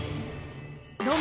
どうも！